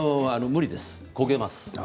無理です、焦げます。